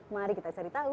mari kita cari tahu